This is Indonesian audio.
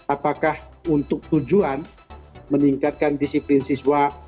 apakah untuk tujuan meningkatkan disiplin siswa